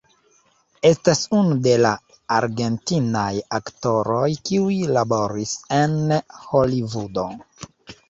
Estas unu de la argentinaj aktoroj kiuj laboris en Holivudo.